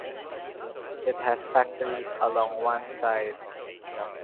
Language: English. It has factories along one side.